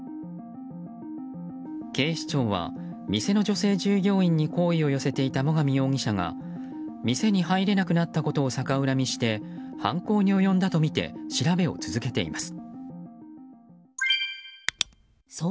警視庁は、店の女性従業員に好意を寄せていた最上容疑者が店に入れなくなったことを逆恨みして犯行に及んだとみて調べを続けています。